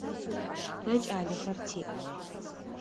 Тэ кӏалэхэр тиӏ.